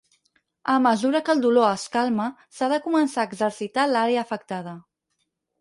A mesura que el dolor es calma, s'ha de començar a exercitar l'àrea afectada.